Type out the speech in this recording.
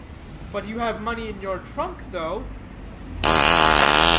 "But you have money in your trunk, though?"